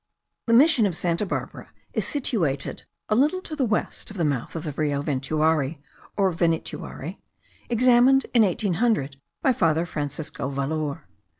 The mission of Santa Barbara is situated a little to the west of the mouth of the Rio Ventuari, or Venituari, examined in 1800 by Father Francisco Valor.